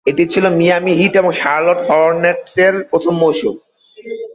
এটি ছিল Miami Heat এবং শার্লট হরনেটসের প্রথম মৌসুম।